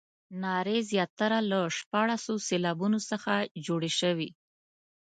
نارې زیاتره له شپاړسو سېلابونو څخه جوړې شوې.